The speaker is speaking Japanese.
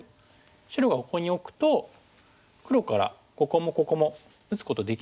白がここに置くと黒からここもここも打つことできないですよね。